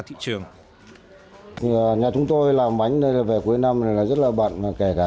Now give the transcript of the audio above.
tin tưởng trong vài năm tới